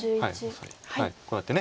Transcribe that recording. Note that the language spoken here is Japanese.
こうやって。